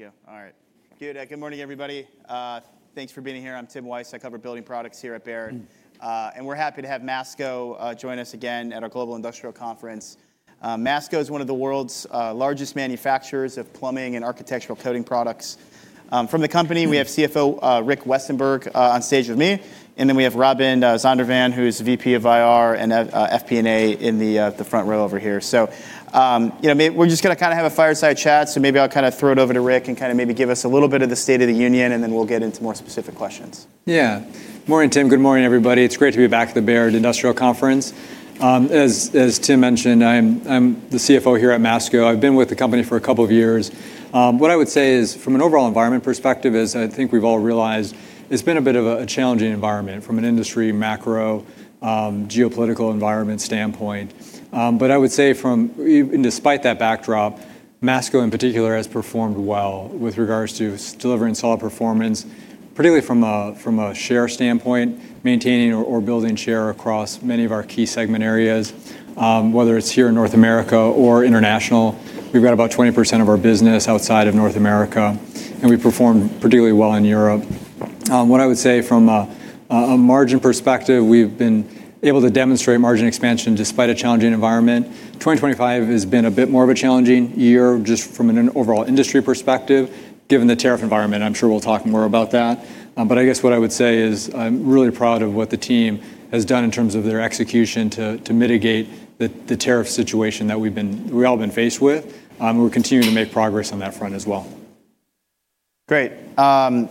All right. Good morning, everybody. Thanks for being here. I'm Tim Weiss. I cover building products here at Baird. And we're happy to have Masco join us again at our Global Industrial Conference. Masco is one of the world's largest manufacturers of plumbing and architectural coating products. From the company, we have CFO Rick Westenberg on stage with me. And then we have Robin Zondervan, who's VP of IR and FP&A in the front row over here. So we're just going to kind of have a fireside chat. Maybe I'll kind of throw it over to Rick and kind of maybe give us a little bit of the state of the union. Then we'll get into more specific questions. Yeah. Morning, Tim. Good morning, everybody. It's great to be back at the Baird Industrial Conference. As Tim mentioned, I'm the CFO here at Masco. I've been with the company for a couple of years. What I would say is, from an overall environment perspective, as I think we've all realized, it's been a bit of a challenging environment from an industry macro geopolitical environment standpoint. I would say, despite that backdrop, Masco in particular has performed well with regards to delivering solid performance, particularly from a share standpoint, maintaining or building share across many of our key segment areas, whether it's here in North America or international. We've got about 20% of our business outside of North America. We performed particularly well in Europe. What I would say, from a margin perspective, we've been able to demonstrate margin expansion despite a challenging environment. 2025 has been a bit more of a challenging year just from an overall industry perspective, given the tariff environment. I'm sure we'll talk more about that. What I would say is I'm really proud of what the team has done in terms of their execution to mitigate the tariff situation that we've all been faced with. We're continuing to make progress on that front as well. Great. I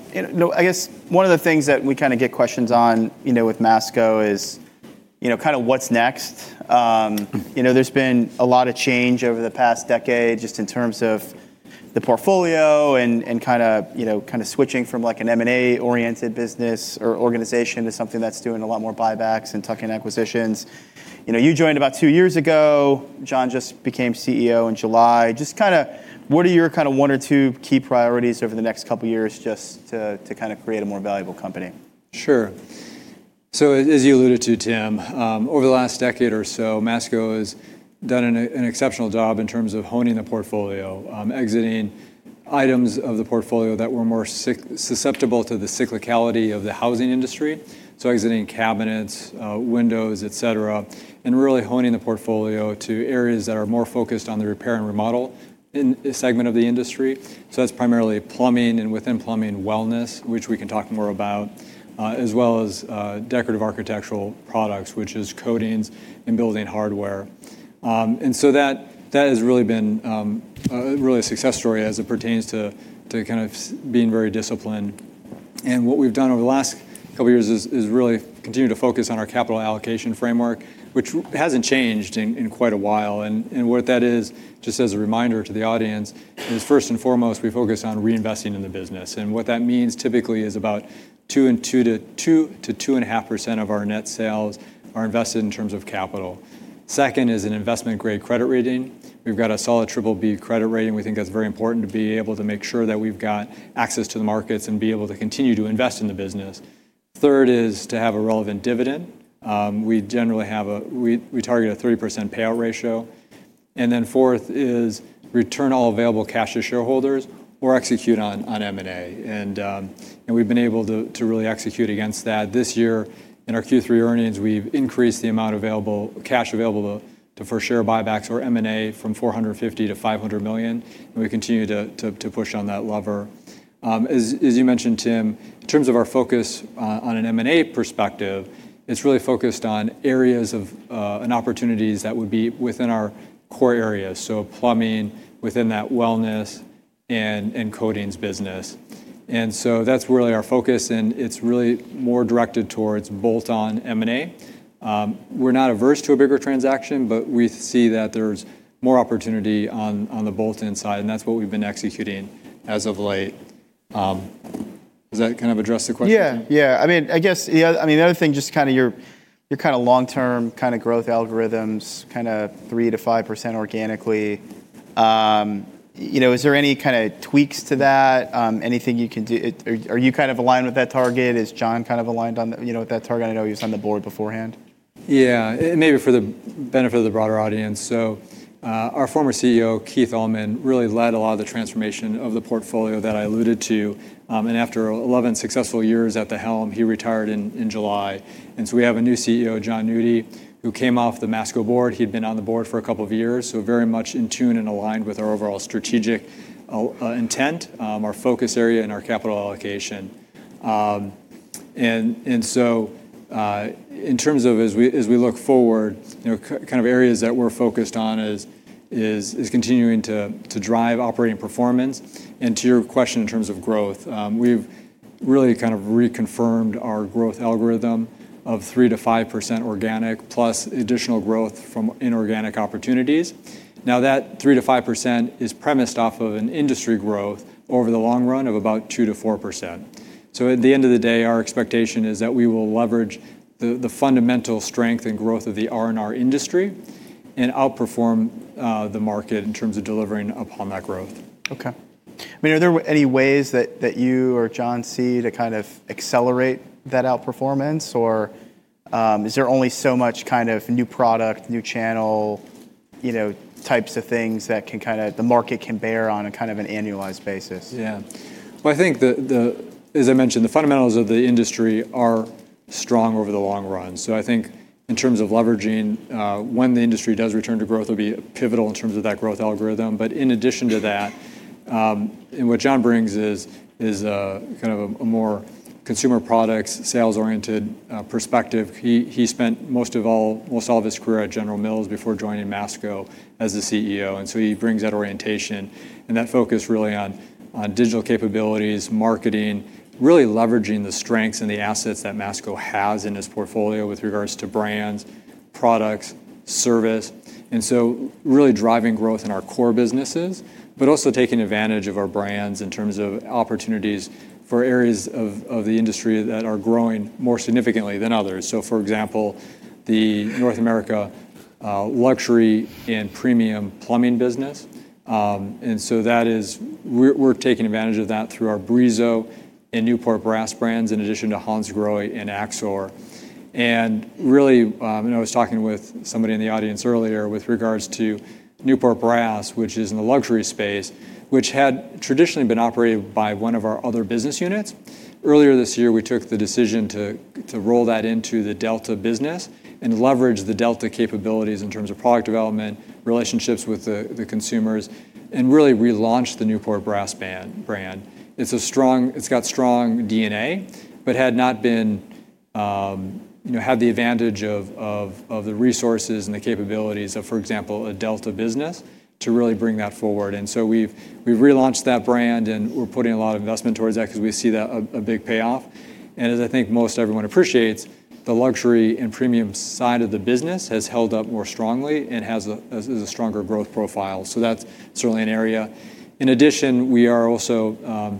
guess one of the things that we kind of get questions on with Masco is kind of what's next. There's been a lot of change over the past decade just in terms of the portfolio and kind of switching from an M&A-oriented business or organization to something that's doing a lot more buybacks and tuck-in acquisitions. You joined about two years ago. Jon just became CEO in July. Just kind of what are your kind of one or two key priorities over the next couple of years just to kind of create a more valuable company? Sure. As you alluded to, Tim, over the last decade or so, Masco has done an exceptional job in terms of honing the portfolio, exiting items of the portfolio that were more susceptible to the cyclicality of the housing industry, exiting cabinets, windows, et cetera, and really honing the portfolio to areas that are more focused on the repair and remodel segment of the industry. That is primarily plumbing and within plumbing wellness, which we can talk more about, as well as decorative architectural products, which is coatings and building hardware. That has really been a success story as it pertains to kind of being very disciplined. What we have done over the last couple of years is really continue to focus on our Capital allocation framework, which has not changed in quite a while. What that is, just as a reminder to the audience, is first and foremost, we focus on reinvesting in the business. What that means typically is about 2%-2.5% of our net sales are invested in terms of capital. Second is an investment-grade credit rating. We have a solid BBB credit rating. We think that is very important to be able to make sure that we have access to the markets and be able to continue to invest in the business. Third is to have a relevant dividend. We target a 3% payout ratio. Fourth is return all available cash to shareholders or execute on M&A. We have been able to really execute against that. This year, in our Q3 earnings, we have increased the amount of cash available for share buybacks or M&A from $450 million to $500 million. We continue to push on that lever. As you mentioned, Tim, in terms of our focus on an M&A perspective, it's really focused on areas of opportunities that would be within our core areas, so plumbing within that wellness and coatings business. That is really our focus. It is really more directed towards bolt-on M&A. We're not averse to a bigger transaction, but we see that there's more opportunity on the bolt-on side. That is what we've been executing as of late. Does that kind of address the question? Yeah. Yeah. I mean, I guess the other thing, just kind of your kind of long-term kind of growth algorithms, kind of 3%-5% organically, is there any kind of tweaks to that? Anything you can do? Are you kind of aligned with that target? Is Jon kind of aligned with that target? I know he was on the board beforehand. Yeah. Maybe for the benefit of the broader audience, our former CEO, Keith Allman, really led a lot of the transformation of the portfolio that I alluded to. After 11 successful years at the helm, he retired in July. We have a new CEO, Jon Nudi, who came off the Masco board. He had been on the board for a couple of years, so very much in tune and aligned with our overall strategic intent, our focus area, and our capital allocation. In terms of, as we look forward, kind of areas that we are focused on is continuing to drive operating performance. To your question in terms of growth, we have really kind of reconfirmed our growth algorithm of 3%-5% organic plus additional growth from inorganic opportunities. Now, that 3%-5% is premised off of an industry growth over the long run of about 2%-4%. At the end of the day, our expectation is that we will leverage the fundamental strength and growth of the R&R industry and outperform the market in terms of delivering upon that growth. OK. I mean, are there any ways that you or Jon see to kind of accelerate that outperformance? Or is there only so much kind of new product, new channel types of things that the market can bear on a kind of an annualized basis? Yeah. I think, as I mentioned, the fundamentals of the industry are strong over the long run. I think in terms of leveraging when the industry does return to growth, it will be pivotal in terms of that growth algorithm. In addition to that, what Jon brings is kind of a more Consumer Products, sales-oriented perspective. He spent most all of his career at General Mills before joining Masco as the CEO. He brings that orientation and that focus really on digital capabilities, marketing, really leveraging the strengths and the assets that Masco has in his portfolio with regards to brands, products, service. Really driving growth in our core businesses, but also taking advantage of our brands in terms of opportunities for areas of the industry that are growing more significantly than others. For example, the North America luxury and premium plumbing business. We are taking advantage of that through our Brizo and Newport Brass brands in addition to Hansgrohe and Axor. I was talking with somebody in the audience earlier with regards to Newport Brass, which is in the luxury space, which had traditionally been operated by one of our other business units. Earlier this year, we took the decision to roll that into the Delta business and leverage the Delta capabilities in terms of product development, relationships with the consumers, and really relaunch the Newport Brass brand. It has strong DNA, but had not had the advantage of the resources and the capabilities of, for example, a Delta business to really bring that forward. We have relaunched that brand. We are putting a lot of investment towards that because we see a big payoff. As I think most everyone appreciates, the luxury and premium side of the business has held up more strongly and has a stronger growth profile. That is certainly an area. In addition, we also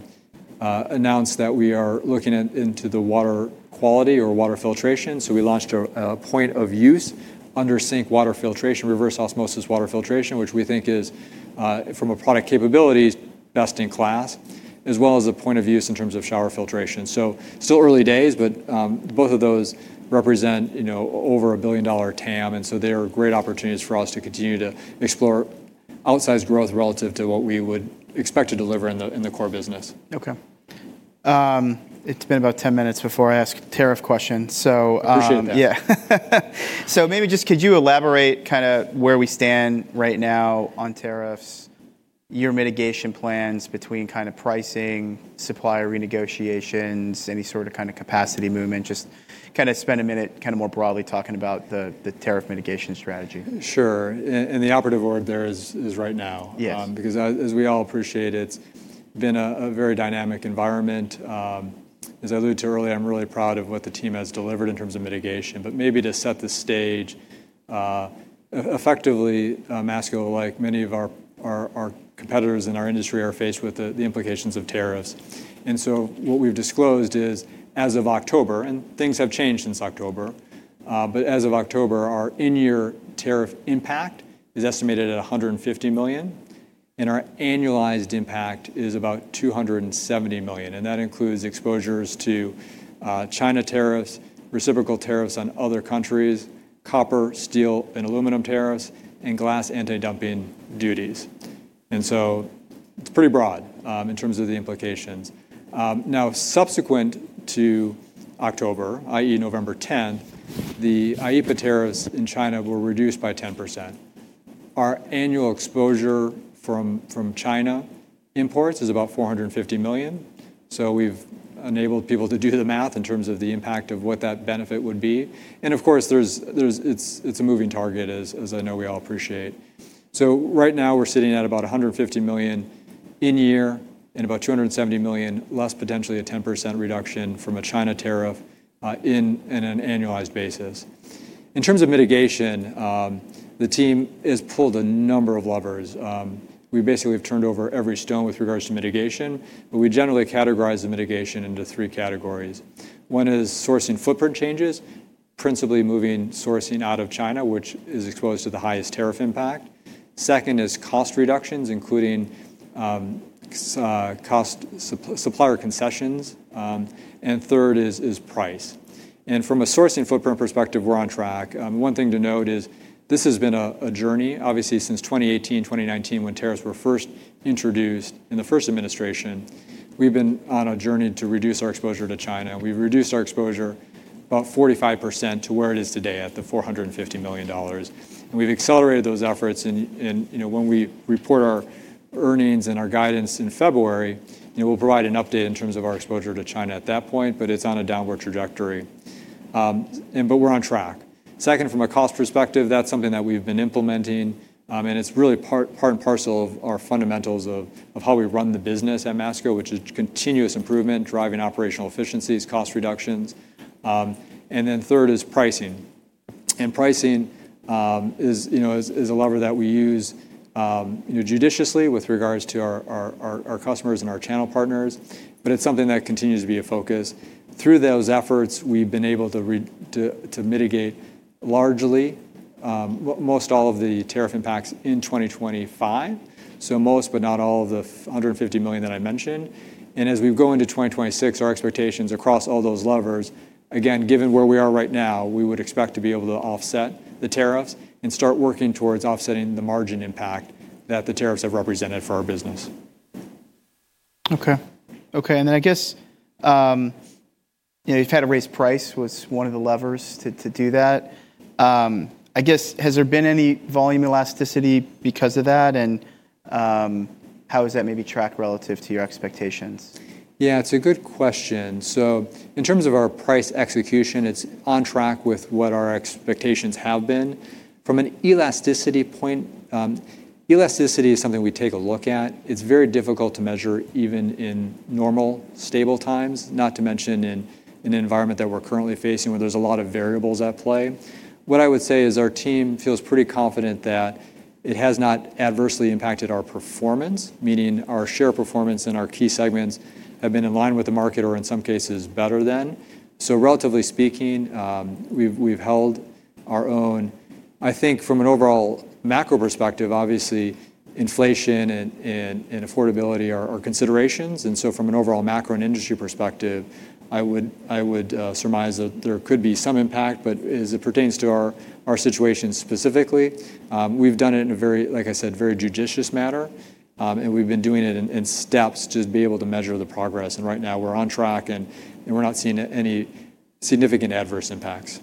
announced that we are looking into the water quality or water filtration. We launched a point of use under sink water filtration, reverse osmosis water filtration, which we think is, from a product capabilities, best in class, as well as a point of use in terms of shower filtration. Still early days, but both of those represent over a $1 billion TAM. They are great opportunities for us to continue to explore outsized growth relative to what we would expect to deliver in the core business. OK. It's been about 10 minutes before I asked tariff questions. Appreciating that. Yeah. Maybe just could you elaborate kind of where we stand right now on tariffs, your mitigation plans between kind of pricing, supplier renegotiations, any sort of kind of capacity movement? Just kind of spend a minute kind of more broadly talking about the tariff mitigation strategy. Sure. The operative order there is right now. Because as we all appreciate, it's been a very dynamic environment. As I alluded to earlier, I'm really proud of what the team has delivered in terms of mitigation. Maybe to set the stage, effectively, Masco, like many of our competitors in our industry, are faced with the implications of tariffs. What we've disclosed is, as of October—and things have changed since October—but as of October, our in-year tariff impact is estimated at $150 million. Our annualized impact is about $270 million. That includes exposures to China tariffs, reciprocal tariffs on other countries, copper, steel, and aluminum tariffs, and glass anti-dumping duties. It's pretty broad in terms of the implications. Subsequent to October, that is, November 10, the IEEPA tariffs in China were reduced by 10%. Our annual exposure from China imports is about $450 million. We have enabled people to do the math in terms of the impact of what that benefit would be. Of course, it is a moving target, as I know we all appreciate. Right now, we are sitting at about $150 million in year and about $270 million, less potentially a 10% reduction from a China tariff on an annualized basis. In terms of mitigation, the team has pulled a number of levers. We basically have turned over every stone with regards to mitigation. We generally categorize the mitigation into three categories. One is sourcing footprint changes, principally moving sourcing out of China, which is exposed to the highest tariff impact. Second is cost reductions, including supplier concessions. Third is price. From a sourcing footprint perspective, we are on track. One thing to note is this has been a journey. Obviously, since 2018, 2019, when tariffs were first introduced in the first administration, we've been on a journey to reduce our exposure to China. We've reduced our exposure about 45% to where it is today at the $450 million. We've accelerated those efforts. When we report our earnings and our guidance in February, we'll provide an update in terms of our exposure to China at that point. It's on a downward trajectory. We're on track. Second, from a cost perspective, that's something that we've been implementing. It's really part and parcel of our fundamentals of how we run the business at Masco, which is continuous improvement, driving operational efficiencies, cost reductions. Third is pricing. Pricing is a lever that we use judiciously with regards to our customers and our channel partners. It is something that continues to be a focus. Through those efforts, we have been able to mitigate largely most all of the tariff impacts in 2025, so most but not all of the $150 million that I mentioned. As we go into 2026, our expectations across all those levers, again, given where we are right now, we would expect to be able to offset the tariffs and start working towards offsetting the margin impact that the tariffs have represented for our business. OK. OK. I guess you've had to raise price was one of the levers to do that. I guess, has there been any volume elasticity because of that? How is that maybe tracked relative to your expectations? Yeah. It's a good question. In terms of our price execution, it's on track with what our expectations have been. From an elasticity point, elasticity is something we take a look at. It's very difficult to measure even in normal, stable times, not to mention in an environment that we're currently facing where there's a lot of variables at play. What I would say is our team feels pretty confident that it has not adversely impacted our performance, meaning our share performance in our key segments have been in line with the market or, in some cases, better than. Relatively speaking, we've held our own. I think from an overall macro perspective, obviously, inflation and affordability are considerations. From an overall macro and industry perspective, I would surmise that there could be some impact. As it pertains to our situation specifically, we've done it in a very, like I said, very judicious manner. We've been doing it in steps to be able to measure the progress. Right now, we're on track. We're not seeing any significant adverse impacts.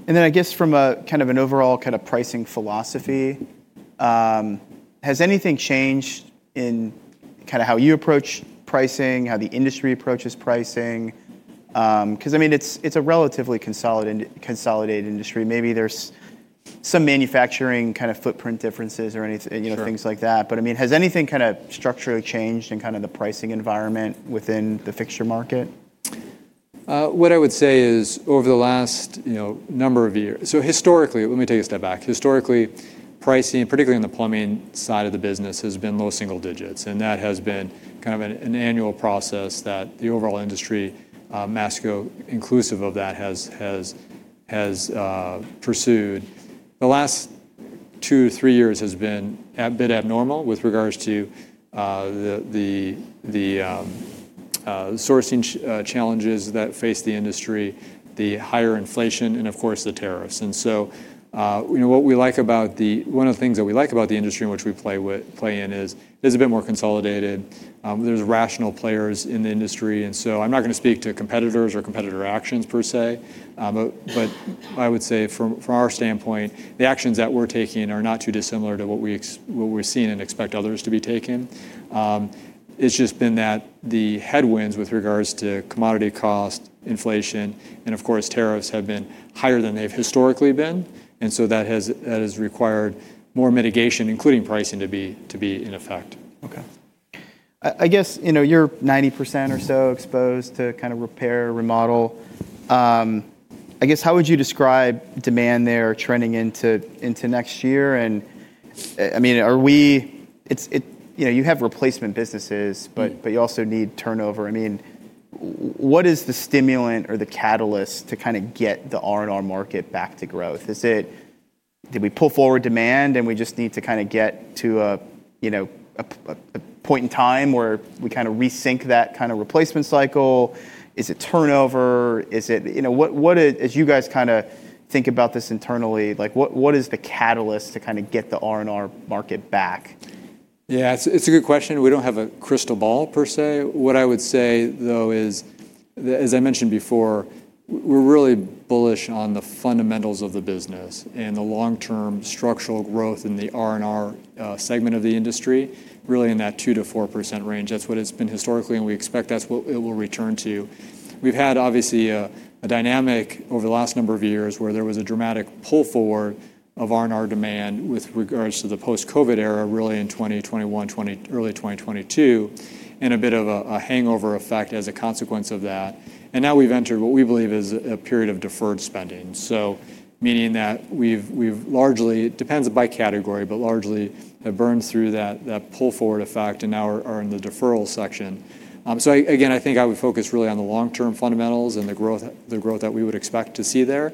OK. I guess from kind of an overall kind of pricing philosophy, has anything changed in kind of how you approach pricing, how the industry approaches pricing? I mean, it's a relatively consolidated industry. Maybe there's some manufacturing kind of footprint differences or things like that. I mean, has anything kind of structurally changed in kind of the pricing environment within the fixture market? What I would say is over the last number of years—so historically, let me take a step back. Historically, pricing, particularly on the plumbing side of the business, has been low single digits. That has been kind of an annual process that the overall industry, Masco inclusive of that, has pursued. The last two to three years has been a bit abnormal with regards to the sourcing challenges that face the industry, the higher inflation, and of course, the tariffs. What we like about the—one of the things that we like about the industry in which we play in is it is a bit more consolidated. There are rational players in the industry. I am not going to speak to competitors or competitor actions per se. I would say from our standpoint, the actions that we're taking are not too dissimilar to what we're seeing and expect others to be taking. It's just been that the headwinds with regards to commodity cost, inflation, and of course, tariffs have been higher than they've historically been. That has required more mitigation, including pricing, to be in effect. OK. I guess you're 90% or so exposed to kind of repair, remodel. I guess how would you describe demand there trending into next year? I mean, you have replacement businesses, but you also need turnover. I mean, what is the stimulant or the catalyst to kind of get the R&R market back to growth? Did we pull forward demand, and we just need to kind of get to a point in time where we kind of resync that kind of replacement cycle? Is it turnover? Is it—what do you guys kind of think about this internally? What is the catalyst to kind of get the R&R market back? Yeah. It's a good question. We don't have a crystal ball per se. What I would say, though, is, as I mentioned before, we're really bullish on the fundamentals of the business and the long-term structural growth in the R&R segment of the industry, really in that 2%-4% range. That's what it's been historically. We expect that's what it will return to. We've had, obviously, a dynamic over the last number of years where there was a dramatic pull forward of R&R demand with regards to the post-COVID era, really in 2021, early 2022, and a bit of a hangover effect as a consequence of that. Now we've entered what we believe is a period of deferred spending. Meaning that we've largely—it depends by category, but largely have burned through that pull forward effect and now are in the deferral section. I think I would focus really on the long-term fundamentals and the growth that we would expect to see there.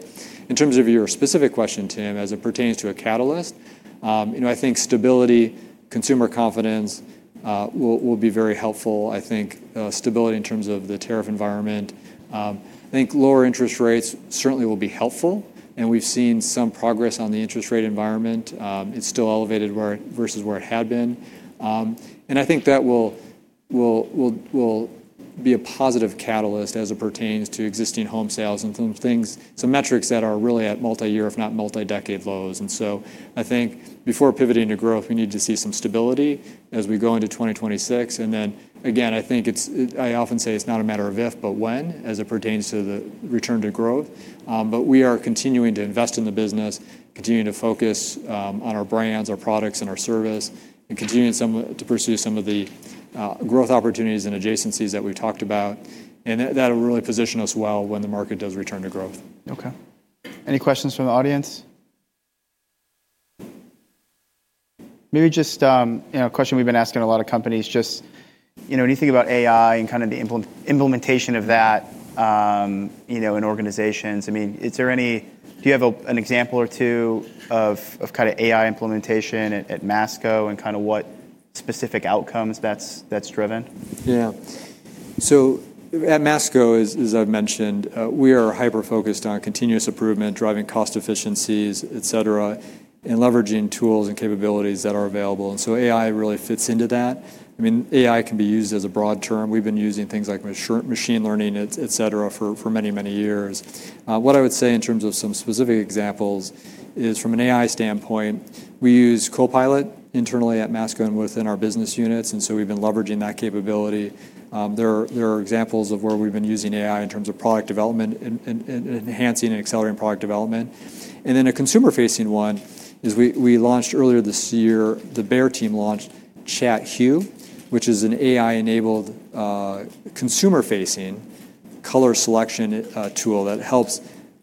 In terms of your specific question, Tim, as it pertains to a catalyst, I think stability, consumer confidence will be very helpful. I think stability in terms of the tariff environment. I think lower interest rates certainly will be helpful. We have seen some progress on the interest rate environment. It is still elevated versus where it had been. I think that will be a positive catalyst as it pertains to existing home sales and some metrics that are really at multi-year, if not multi-decade lows. I think before pivoting to growth, we need to see some stability as we go into 2026. I often say it's not a matter of if, but when as it pertains to the return to growth. We are continuing to invest in the business, continuing to focus on our brands, our products, and our service, and continuing to pursue some of the growth opportunities and adjacencies that we've talked about. That will really position us well when the market does return to growth. OK. Any questions from the audience? Maybe just a question we've been asking a lot of companies. Just when you think about AI and kind of the implementation of that in organizations, I mean, is there any—do you have an example or two of kind of AI implementation at Masco and kind of what specific outcomes that's driven? Yeah. At Masco, as I've mentioned, we are hyper-focused on continuous improvement, driving cost efficiencies, et cetera, and leveraging tools and capabilities that are available. AI really fits into that. I mean, AI can be used as a broad term. We've been using things like machine learning, et cetera, for many, many years. What I would say in terms of some specific examples is from an AI standpoint, we use Copilot internally at Masco and within our business units. We've been leveraging that capability. There are examples of where we've been using AI in terms of product development and enhancing and accelerating product development. A consumer-facing one is we launched earlier this year. The Behr team launched ChatHUE, which is an AI-enabled consumer-facing color selection tool that helps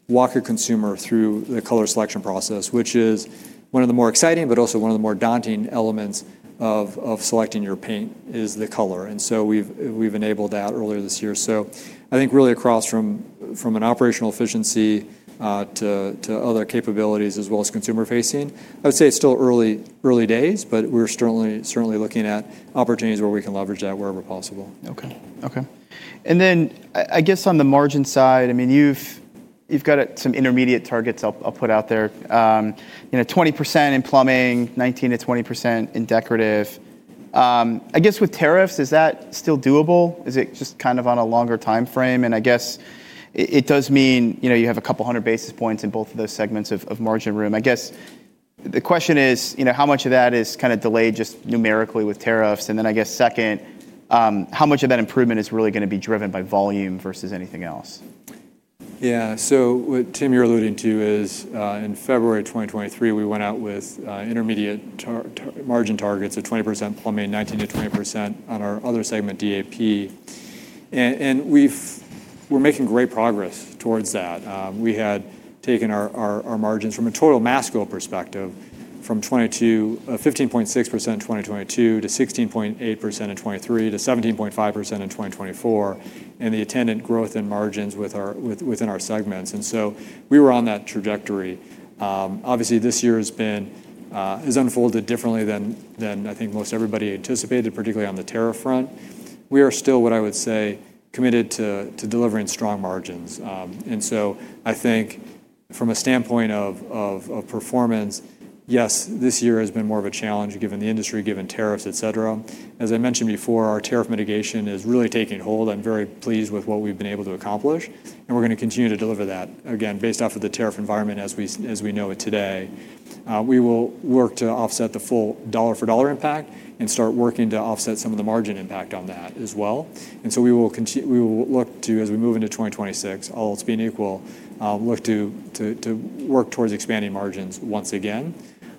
walk a consumer through the color selection process, which is one of the more exciting but also one of the more daunting elements of selecting your paint is the color. We have enabled that earlier this year. I think really across from an operational efficiency to other capabilities as well as consumer-facing, I would say it is still early days. We are certainly looking at opportunities where we can leverage that wherever possible. OK. OK. I mean, you've got some intermediate targets I'll put out there: 20% in plumbing, 19%-20% in decorative. I guess with tariffs, is that still doable? Is it just kind of on a longer time frame? I mean, it does mean you have a couple hundred basis points in both of those segments of margin room. The question is how much of that is kind of delayed just numerically with tariffs? I guess second, how much of that improvement is really going to be driven by volume versus anything else? Yeah. What Tim, you're alluding to is in February 2023, we went out with intermediate margin targets of 20% plumbing, 19%-20% on our other segment, DAP. We're making great progress towards that. We had taken our margins from a total Masco perspective from 15.6% in 2022 to 16.8% in 2023 to 17.5% in 2024 and the attendant growth in margins within our segments. We were on that trajectory. Obviously, this year has unfolded differently than I think most everybody anticipated, particularly on the tariff front. We are still, what I would say, committed to delivering strong margins. I think from a standpoint of performance, yes, this year has been more of a challenge given the industry, given tariffs, et cetera. As I mentioned before, our tariff mitigation is really taking hold. I'm very pleased with what we've been able to accomplish. We're going to continue to deliver that again based off of the tariff environment as we know it today. We will work to offset the full dollar-for-dollar impact and start working to offset some of the margin impact on that as well. We will look to, as we move into 2026, all else being equal, look to work towards expanding margins once again.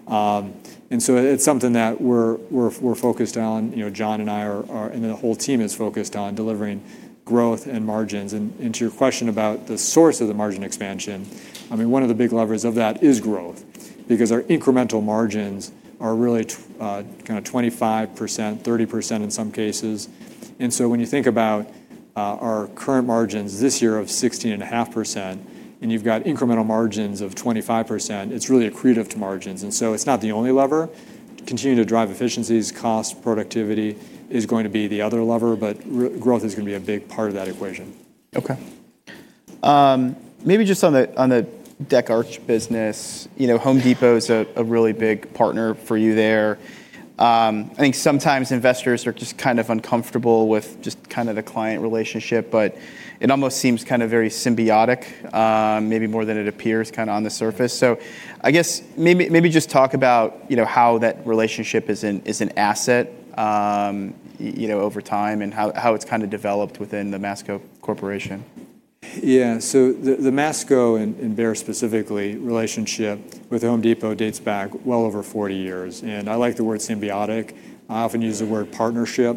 It's something that we're focused on. Jon and I and the whole team is focused on delivering growth and margins. To your question about the source of the margin expansion, I mean, one of the big levers of that is growth because our incremental margins are really kind of 25%-30% in some cases. When you think about our current margins this year of 16.5% and you've got incremental margins of 25%, it's really accretive to margins. It is not the only lever. Continuing to drive efficiencies, cost, productivity is going to be the other lever. Growth is going to be a big part of that equation. OK. Maybe just on the Delta business, Home Depot is a really big partner for you there. I think sometimes investors are just kind of uncomfortable with just kind of the client relationship. But it almost seems kind of very symbiotic, maybe more than it appears kind of on the surface. So I guess maybe just talk about how that relationship is an asset over time and how it's kind of developed within the Masco Corporation. Yeah. The Masco and Behr specifically relationship with Home Depot dates back well over 40 years. I like the word symbiotic. I often use the word partnership.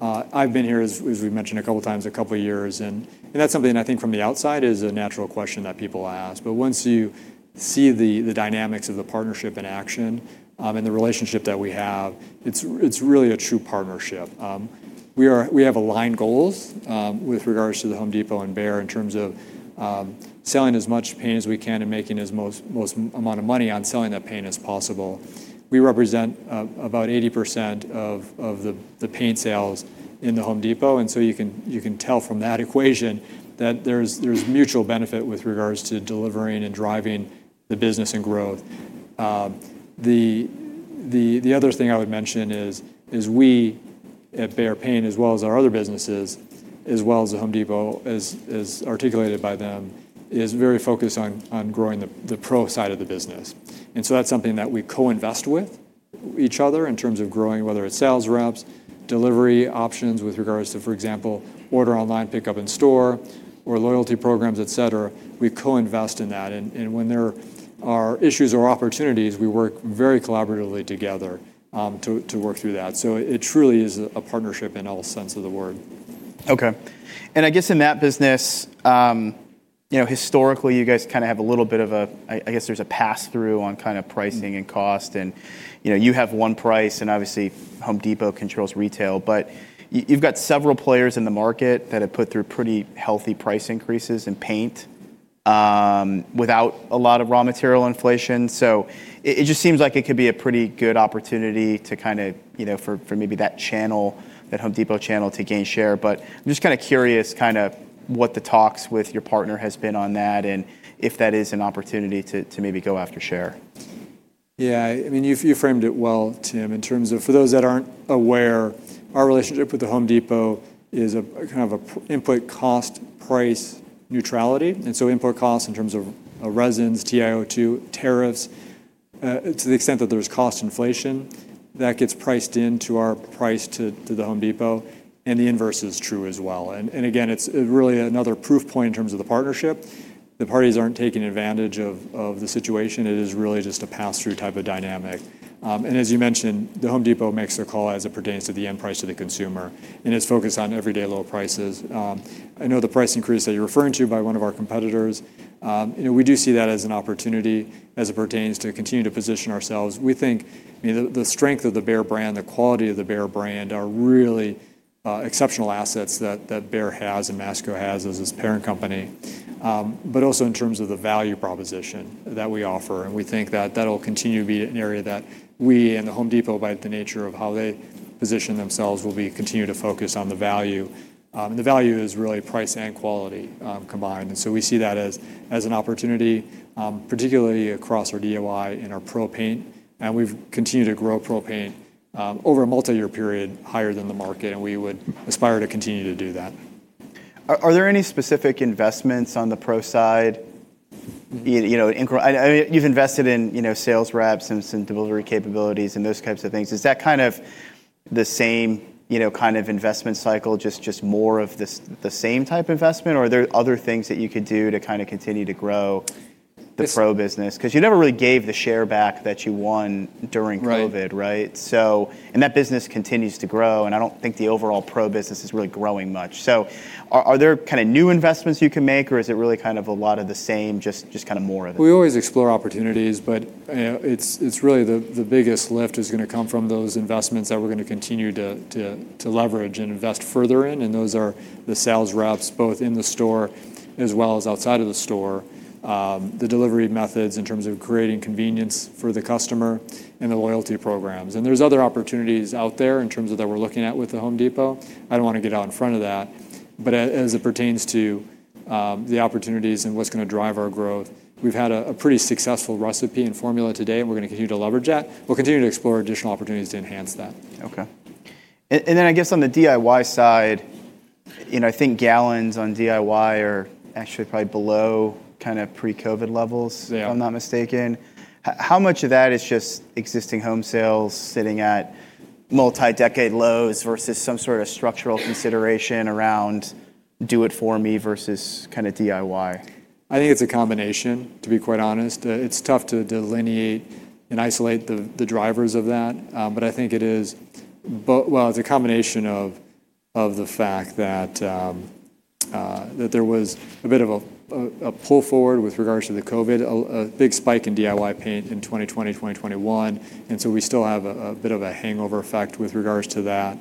I have been here, as we have mentioned a couple of times, a couple of years. That is something I think from the outside is a natural question that people ask. Once you see the dynamics of the partnership in action and the relationship that we have, it is really a true partnership. We have aligned goals with regards to Home Depot and Behr in terms of selling as much paint as we can and making as most amount of money on selling that paint as possible. We represent about 80% of the paint sales in Home Depot. You can tell from that equation that there is mutual benefit with regards to delivering and driving the business and growth. The other thing I would mention is we at Behr Paint, as well as our other businesses, as well as the Home Depot, as articulated by them, is very focused on growing the pro side of the business. That is something that we co-invest with each other in terms of growing, whether it is sales reps, delivery options with regards to, for example, order online, pick up in store, or loyalty programs, et cetera. We co-invest in that. When there are issues or opportunities, we work very collaboratively together to work through that. It truly is a partnership in all sense of the word. OK. I guess in that business, historically, you guys kind of have a little bit of a, I guess there's a pass-through on kind of pricing and cost. You have one price. Obviously, Home Depot controls retail. You've got several players in the market that have put through pretty healthy price increases in paint without a lot of raw material inflation. It just seems like it could be a pretty good opportunity for maybe that channel, that Home Depot channel, to gain share. I'm just kind of curious what the talks with your partner have been on that and if that is an opportunity to maybe go after share. Yeah. I mean, you framed it well, Tim, in terms of for those that are not aware, our relationship with the Home Depot is kind of an input cost-price neutrality. Input costs in terms of resins, TiO2, tariffs, to the extent that there is cost inflation, that gets priced into our price to the Home Depot. The inverse is true as well. It is really another proof point in terms of the partnership. The parties are not taking advantage of the situation. It is really just a pass-through type of dynamic. As you mentioned, the Home Depot makes their call as it pertains to the end price to the consumer. It is focused on everyday low prices. I know the price increase that you are referring to by one of our competitors. We do see that as an opportunity as it pertains to continue to position ourselves. We think the strength of the Behr brand, the quality of the Behr brand, are really exceptional assets that Behr has and Masco has as its parent company. Also in terms of the value proposition that we offer. We think that that will continue to be an area that we and the Home Depot, by the nature of how they position themselves, will continue to focus on the value. The value is really price and quality combined. We see that as an opportunity, particularly across our DIY and our pro paint. We have continued to grow pro paint over a multi-year period higher than the market. We would aspire to continue to do that. Are there any specific investments on the pro side? You've invested in sales reps and some delivery capabilities and those types of things. Is that kind of the same kind of investment cycle, just more of the same type investment? Are there other things that you could do to kind of continue to grow the pro business? You never really gave the share back that you won during COVID, right? That business continues to grow. I don't think the overall pro business is really growing much. Are there kind of new investments you can make? Is it really kind of a lot of the same, just kind of more of it? We always explore opportunities. It is really the biggest lift that is going to come from those investments that we are going to continue to leverage and invest further in. Those are the sales reps, both in the store as well as outside of the store, the delivery methods in terms of creating convenience for the customer, and the loyalty programs. There are other opportunities out there that we are looking at with Home Depot. I do not want to get out in front of that. As it pertains to the opportunities and what is going to drive our growth, we have had a pretty successful recipe and formula to date. We are going to continue to leverage that. We will continue to explore additional opportunities to enhance that. OK. I guess on the DIY side, I think gallons on DIY are actually probably below kind of pre-COVID levels, if I'm not mistaken. How much of that is just existing home sales sitting at multi-decade lows versus some sort of structural consideration around do it for me versus kind of DIY? I think it's a combination, to be quite honest. It's tough to delineate and isolate the drivers of that. I think it is, it's a combination of the fact that there was a bit of a pull forward with regards to the COVID, a big spike in DIY paint in 2020, 2021. We still have a bit of a hangover effect with regards to that.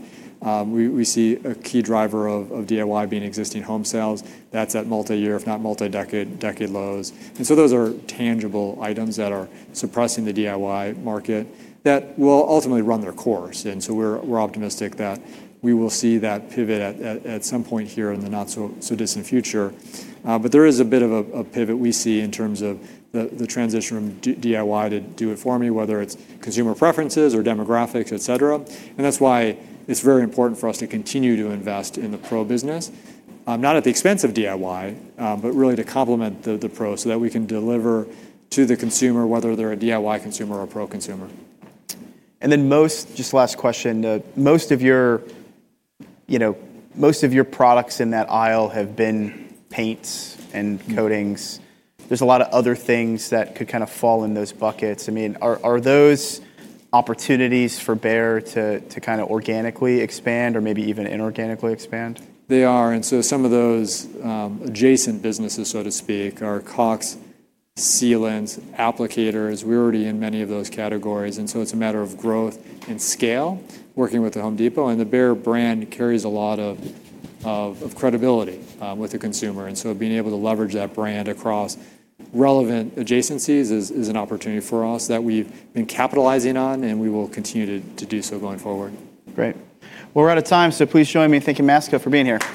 We see a key driver of DIY being existing home sales. That's at multi-year, if not multi-decade lows. Those are tangible items that are suppressing the DIY market that will ultimately run their course. We're optimistic that we will see that pivot at some point here in the not-so-distant future. There is a bit of a pivot we see in terms of the transition from DIY to do it for me, whether it's consumer preferences or demographics, et cetera. That is why it's very important for us to continue to invest in the pro business, not at the expense of DIY, but really to complement the pro so that we can deliver to the consumer, whether they're a DIY consumer or a pro consumer. Just last question. Most of your products in that aisle have been paints and coatings. There are a lot of other things that could kind of fall in those buckets. I mean, are those opportunities for Behr to kind of organically expand or maybe even inorganically expand? They are. Some of those adjacent businesses, so to speak, are Cox, sealants, applicators. We're already in many of those categories. It is a matter of growth and scale working with Home Depot. The Behr brand carries a lot of credibility with the consumer. Being able to leverage that brand across relevant adjacencies is an opportunity for us that we've been capitalizing on. We will continue to do so going forward. Great. We are out of time. Please join me in thanking Masco for being here.